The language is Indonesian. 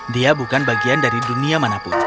dia bukan bagian dari dunia manapun